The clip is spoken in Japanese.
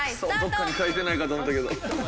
どこかに書いてないかと思ったけど。